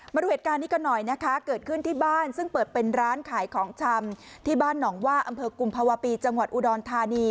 มาดูเหตุการณ์นี้กันหน่อยนะคะเกิดขึ้นที่บ้านซึ่งเปิดเป็นร้านขายของชำที่บ้านหนองว่าอำเภอกุมภาวะปีจังหวัดอุดรธานี